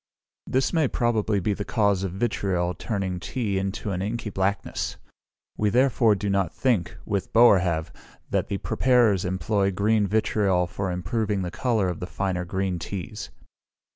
This may probably be the cause of vitriol turning tea into an inky blackness. We therefore do not think with Boerhaave, that the preparers employ green vitriol for improving the colour of the finer green teas.